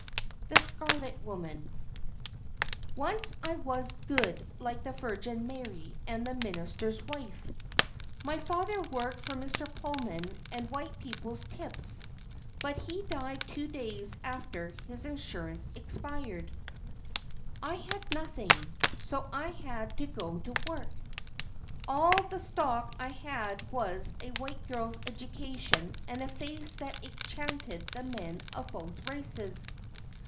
THE SCARLET WOMAN Once I was good like the Virgin Mary and the Minister's wife. My father worked for Mr. Pullman and white people's tips; but he died two days after his insurance expired. I had nothing, so I had to go to work. All the stock I had was a white girl's education and a face that enchanted the men of both races.